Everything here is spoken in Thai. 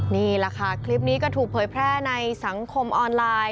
นี่แหละค่ะคลิปนี้ก็ถูกเผยแพร่ในสังคมออนไลน์